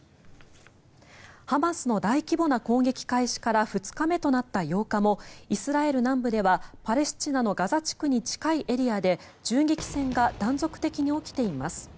ハマスの大規模な攻撃開始から２日目となった８日もイスラエル南部ではパレスチナのガザ地区に近いエリアで銃撃戦が断続的に起きています。